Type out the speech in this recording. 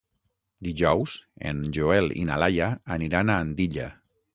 Dijous en Joel i na Laia aniran a Andilla.